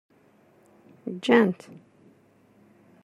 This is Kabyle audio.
Gan-t.